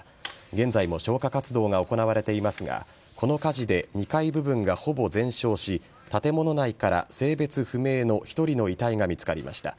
現在も消火活動が行われていますがこの火事で２階部分がほぼ全焼し建物内から性別不明の１人の遺体が見つかりました。